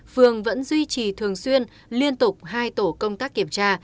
phường vẫn duy trì thường xuyên liên tục hai tổ công tác kiểm tra